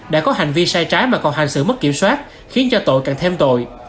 đã có hành vi sai trái mà còn hành xử mất kiểm soát khiến cho tội càng thêm tội